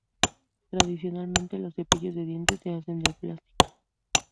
Tradicionalmente, los cepillos de dientes se hacen del plástico.